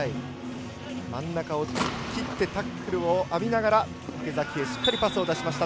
真ん中を突っ切ってタックルを浴びながら池崎へしっかりパスを出しました。